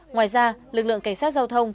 ngoài ra lực lượng cảnh sát giao thông